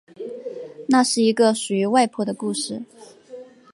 那是一个属于外婆的故事